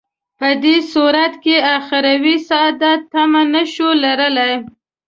په دې صورت کې اخروي سعادت تمه نه شو لرلای.